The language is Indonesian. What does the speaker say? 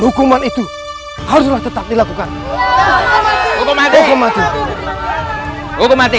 hukuman itu harus tetap dilakukan hukum mati hukum mati gusti harus dihukum mati